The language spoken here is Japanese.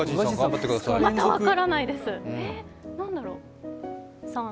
まだ分からないです。